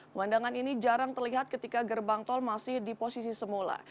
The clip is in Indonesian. pemandangan ini jarang terlihat ketika gerbang tol masih di posisi semula